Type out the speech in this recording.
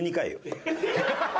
ハハハハ！